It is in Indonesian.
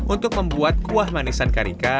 untuk membuat kuah manisan karika